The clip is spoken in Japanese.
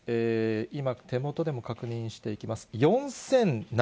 今、手元でも確認していきます。